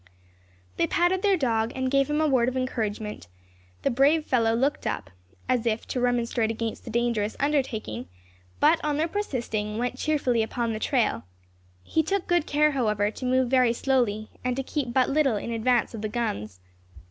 They patted their dog, and gave him a word of encouragement; the brave fellow looked up, as if to remonstrate against the dangerous undertaking, but on their persisting went cheerfully upon the trail; he took good care, however, to move very slowly, and to keep but little in advance of the guns.